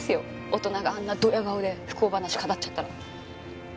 大人があんなドヤ顔で不幸話語っちゃったら。